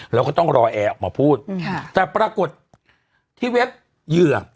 เราก็ต้องรอแอร์ออกมาพูดแต่ปรากฏที่เว็บเหยื่อ